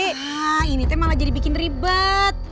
nah ini teh malah jadi bikin ribet